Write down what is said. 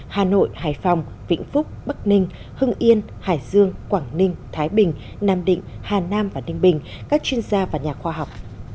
hà nội hải phòng vĩnh phúc bắc ninh hưng yên hải dương quảng ninh thái bình nam định hà nam và ninh bình các chuyên gia và nhà khoa học